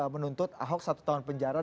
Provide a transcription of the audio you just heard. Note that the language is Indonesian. menuntut ahok satu tahun penjara